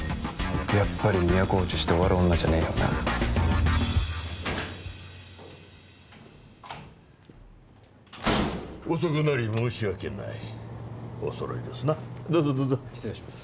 やっぱり都落ちして終わる女じゃねえよな遅くなり申し訳ないお揃いですなどうぞどうぞ失礼します